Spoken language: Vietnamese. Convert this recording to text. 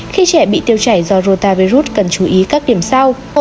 khi trẻ bị tiêu chảy do rota virus cần chú ý các điểm sau